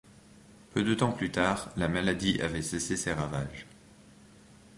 Peu de temps plus tard, la maladie avait cessé ses ravages.